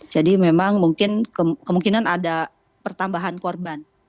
jadi memang mungkin kemungkinan ada pertambahan korban